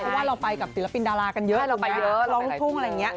เพราะว่าเราไปกับศิลปินดารากันเยอะเราไปร้องลูกทุ่งอะไรอย่างนี้